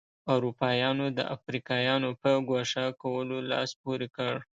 اروپایانو د افریقایانو په ګوښه کولو لاس پورې کړ.